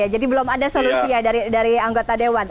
jadi belum ada solusi dari anggota dewan